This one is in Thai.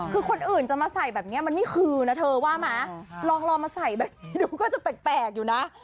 คือคนอื่นจะมาใส่แบบนี้มันไม่คืนนะเธอว่าไหมลองมาใส่แบบนี้ดูก็จะแปลกอยู่นะ